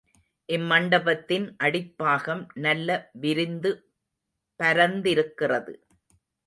இம்மண்டபத்தின் அடிப்பாகம் நல்ல விரிந்து பரந்திருக்கிறது.